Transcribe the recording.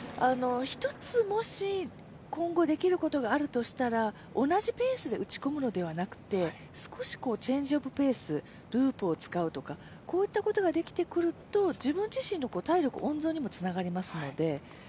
１つ、もし今後できることがあるとしたら、同じペースで打ち込むのではなくて少しチェンジ・オブ・ペースループを使うとかこういったことができてくると、自分自身の体力温存にもつながりますので。